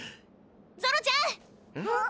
ゾロちゃん！